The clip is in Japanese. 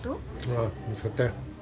ああ見つかったよ